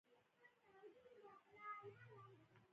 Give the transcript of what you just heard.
آیا د مړي خوب لیدل د خیرات غوښتنه نه ده؟